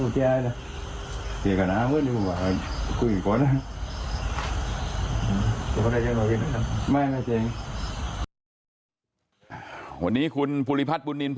ตัวใหญ่ก็ได้